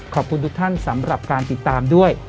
ขอบคุณทุกท่านสำหรับการติดตามด้วย